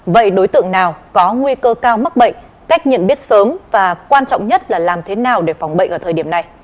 vậy đối tượng nào có nguy cơ cao mắc bệnh cách nhận biết sớm và quan trọng nhất là làm thế nào để phòng bệnh ở thời điểm này